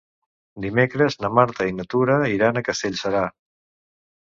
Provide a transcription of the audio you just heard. Dimecres na Marta i na Tura iran a Castellserà.